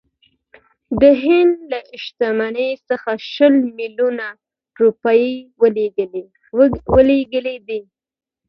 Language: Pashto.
د هند له شتمنۍ څخه شل میلیونه روپۍ ولګېدې.